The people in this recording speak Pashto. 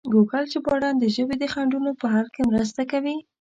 ګوګل ژباړن د ژبې د خنډونو په حل کې مرسته کوي.